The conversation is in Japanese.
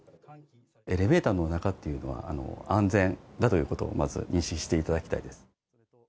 エレベーターの中というのは、安全だということをまず認識していただきたいです。